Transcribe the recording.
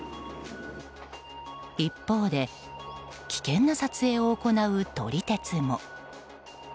一方で危険な撮影を行う撮り鉄も。